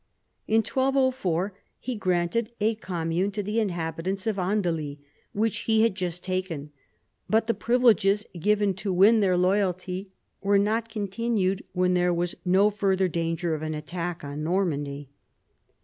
In 1204 he granted a commune to the inhabitants of Andely, which he had just taken, but the privileges given to win their loyalty were not con tinued when there was no further danger of an attack on Normandy.